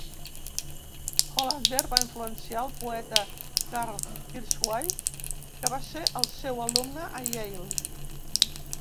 Hollander va influenciar el poeta Karl Kirchwey, que va ser el seu alumne a Yale.